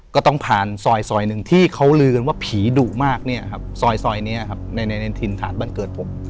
ก็ต้องผ่านซอยซอยหนึ่งที่เขาลืมว่าผีดุมากเนี่ยครับซอยซอยเนี่ยครับในในในทินถาดบันเกิดผม